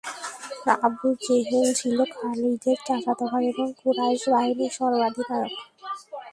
Abu Jahl ছিল খালিদের চাচাত ভাই এবং কুরাইশ বাহিনীর সর্বাধিনায়ক।